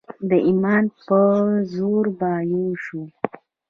د ایمان په زور به یو شو.